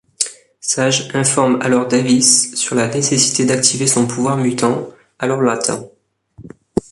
Sage informe alors Davis sur la nécessité d'activer son pouvoir mutant, alors latent.